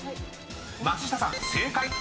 ［松下さん正解！］